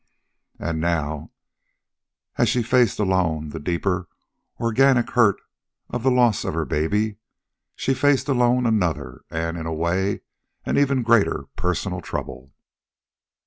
And now, as she had faced alone the deeper, organic hurt of the loss of her baby, she faced alone another, and, in a way, an even greater personal trouble.